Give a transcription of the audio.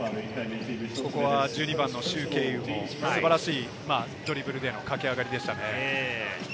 ここは１２番のシュウ・ケイウも素晴らしいドリブルでの駆け上がりでしたね。